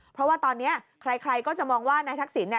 เพราะว่าตอนนี้ใครก็จะมองว่านายทักษิณเนี่ย